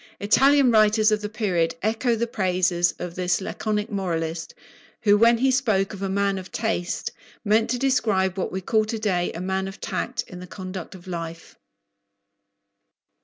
Italian writers of the period echo the praises of this laconic moralist, who, when he spoke of "a man of taste," meant to describe what we call to day "a man of tact" in the conduct of life.